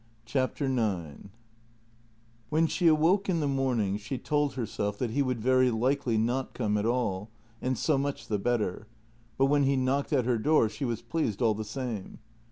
9 8 JENNY IX W HEN she awoke in the morning she told herself that he would very likely not come at all, and so much the better — but when he knocked at her door she was pleased all the same.